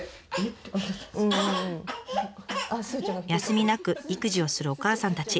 休みなく育児をするお母さんたち